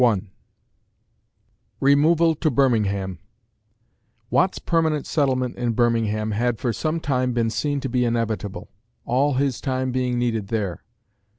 CHAPTER VI REMOVAL TO BIRMINGHAM Watt's permanent settlement in Birmingham had for some time been seen to be inevitable, all his time being needed there.